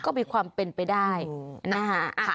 ก็มีความเป็นไปได้นะคะ